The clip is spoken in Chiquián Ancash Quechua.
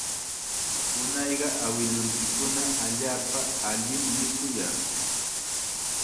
Unayqa awilunchikkuna allaapa allim mikuyaq